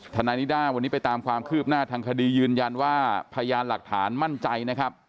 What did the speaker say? ทนายนิด้าวันนี้ไปตามความคืบหน้าทางคดียืนยันว่าพยานหลักฐานมั่นใจนะครับ